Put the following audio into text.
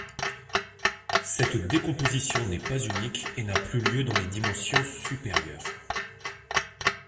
Cette décomposition n'est pas unique et n'a plus lieu dans les dimensions supérieures.